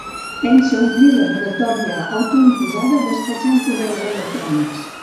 Pensa omplir la moratòria autoimposada despatxant correus electrònics.